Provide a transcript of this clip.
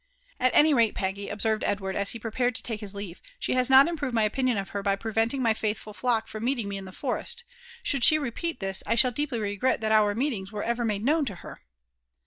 "At any rate, Peggy," observed Edward, as he prepared to take his leave, "ahe has not improved my opinion of her by preventinjg my faithful flock from meeting me in the forest. Should she repeat this, I shall deeply regret that our meetings were ever made known to her."